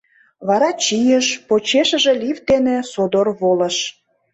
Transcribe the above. Вара чийыш, почешыже лифт дене содор волыш.